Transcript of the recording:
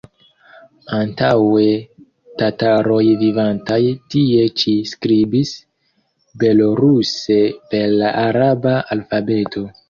Antaŭe tataroj vivantaj tie ĉi skribis beloruse per la araba alfabeto.